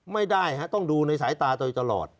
ไม่ได้ต้องดูในสายตาตลอด